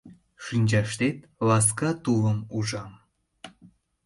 Шинчаштет ласка тулым ужам.